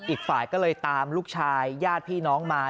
อีกฝ่ายก็เลยตามลูกชายญาติพี่น้องมา